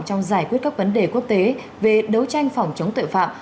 trong giải quyết các vấn đề quốc tế về đấu tranh phòng chống tội phạm